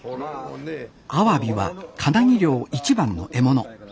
アワビはかなぎ漁一番の獲物。